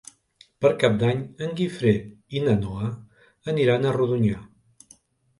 Per Cap d'Any en Guifré i na Noa aniran a Rodonyà.